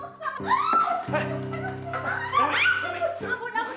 aduh gemuk gemuk